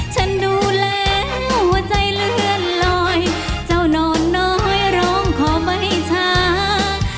ฉันดูแล้วหัวใจเลื่อนลอยเจ้านอนน้อยร้องขอไม่ช้า